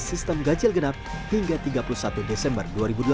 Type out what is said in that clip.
sistem ganjil genap hingga tiga puluh satu desember dua ribu delapan belas